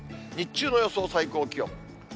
日中の予想最高気温。